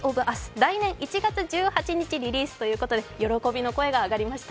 来年１月１８日リリースということで喜びの声が上がりました。